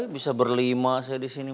bisa berlima saya di sini